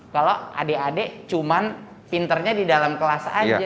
kalau adik adik cuma pinternya di dalam kelas aja